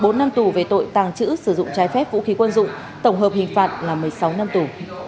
bốn năm tù về tội tàng trữ sử dụng trái phép vũ khí quân dụng tổng hợp hình phạt là một mươi sáu năm tù